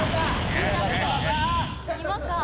今か。